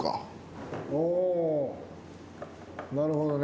おなるほどね。